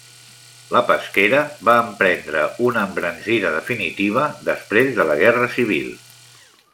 La pesquera va emprendre una embranzida definitiva després de la Guerra Civil.